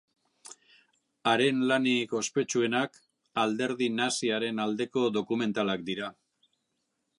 Haren lanik ospetsuenak Alderdi Naziaren aldeko dokumentalak dira.